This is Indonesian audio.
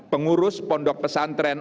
pengurus pondok pesantren